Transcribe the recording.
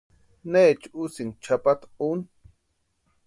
¿Neecha úsïki chʼapata úni?